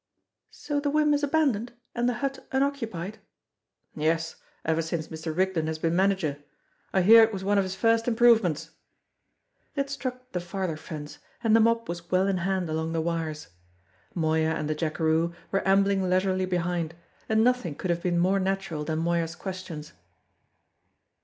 "So the whim is abandoned, and the hut unoccupied?" "Yes, ever since Mr. Rigden has been manager. I hear it was one of his first improvements." They had struck the farther fence, and the mob was well in hand along the wires. Moya and the jackeroo were ambling leisurely behind, and nothing could have been more natural than Moya's questions.